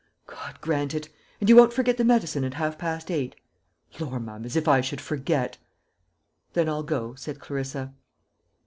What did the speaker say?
"God grant it! And you won't forget the medicine at half past eight?" "Lor', mum, as if I should forget!" "Then I'll go," said Clarissa.